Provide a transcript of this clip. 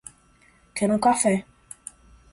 Quero um café